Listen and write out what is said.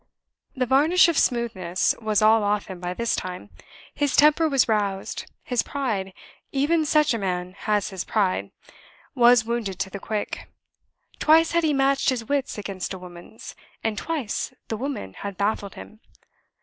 The varnish of smoothness was all off him by this time. His temper was roused. His pride even such a man has his pride! was wounded to the quick. Twice had he matched his wits against a woman's; and twice the woman had baffled him.